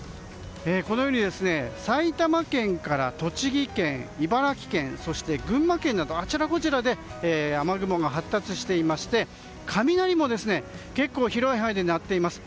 埼玉県から栃木県、茨城県そして、群馬県などあちらこちらで雨雲が発達していまして雷も結構広い範囲で鳴っています。